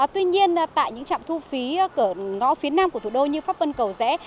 tuy nhiên tại những trạm thu phí cửa ngõ phía nam của thủ đô như pháp vân cầu rẽ